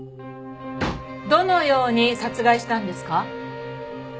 どのように殺害したんですか？